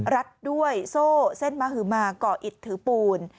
รัดด้วยโซ่เส้นมหือมาก่ออิตถือปูน